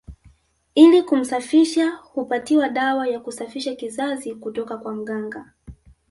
Ili kumsafisha hupatiwa dawa ya kusafisha kizazi kutoka kwa mganga